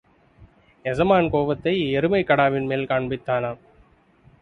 எசமான் கோபத்தை எருமைக் கடாவின்மேல் காண்பித்தானாம்.